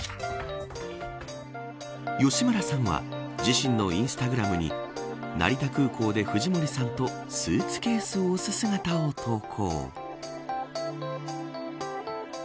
吉村さんは自身のインスタグラムに成田空港で藤森さんとスーツケースを押す姿を投稿。